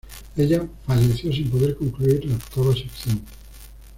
Ella falleció sin poder concluir la octava sección.